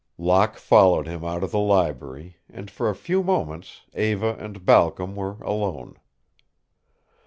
Locke followed him out of the library, and for a few moments Eva and Balcom were alone.